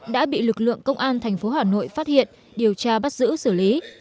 đã bị lực lượng công an tp hà nội phát hiện điều tra bắt giữ xử lý